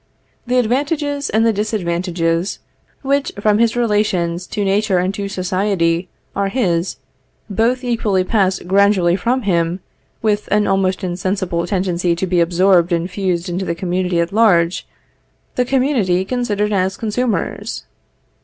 The advantages and the disadvantages, which, from his relations to nature and to society, are his, both equally pass gradually from him, with an almost insensible tendency to be absorbed and fused into the community at large; the community considered as consumers.